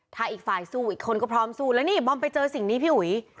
ถ้าอีกฝ่ายสู้อีกคนก็พร้อมสู้แล้วนี่บอมไปเจอสิ่งนี้พี่อุ๋ย